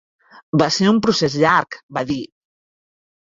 "Va ser un procés llarg", va dir.